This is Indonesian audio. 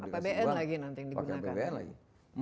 pakai bn lagi nanti yang digunakan